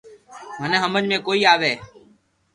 منو ھمج ۾ ڪوئي آوي